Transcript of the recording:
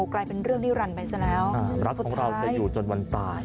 กลายเป็นเรื่องนิรันดิไปซะแล้วรักของเราจะอยู่จนวันตาย